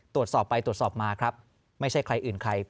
ตรวจสอบไปตรวจสอบมาครับไม่ใช่ใครอื่นใคร